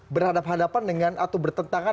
berhadapan hadapan dengan atau bertentangan